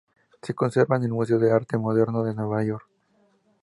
Se conserva en el Museo de Arte Moderno de Nueva York.